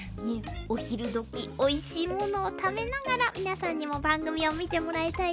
お昼時おいしいものを食べながら皆さんにも番組を見てもらいたいですね。